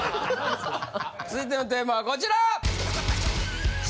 続いてのテーマはこちら！